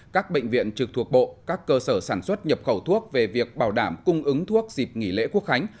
các bệnh viện trực thuộc bộ các cơ sở sản xuất nhập khẩu thuốc về việc bảo đảm cung ứng thuốc dịp nghỉ lễ quốc khánh